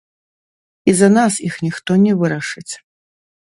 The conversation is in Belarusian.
І за нас іх ніхто не вырашыць.